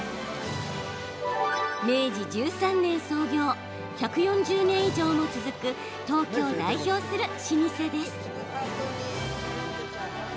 明治１３年創業１４０年以上も続く東京を代表する老舗です。